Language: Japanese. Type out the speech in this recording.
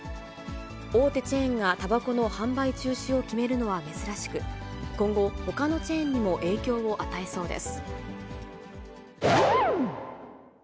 大手チェーンがたばこの販売中止を決めるのは珍しく、今後、ほかのチェーンにも影響を与えそうです。